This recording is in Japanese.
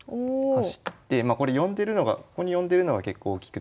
走ってまあこれここに呼んでるのが結構大きくて。